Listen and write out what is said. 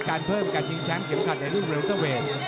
การเพิ่มกัดชิงแชมป์เข็มขัดในรุ่นเริ่มทะเวย์